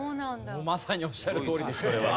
まさにおっしゃるとおりですそれは。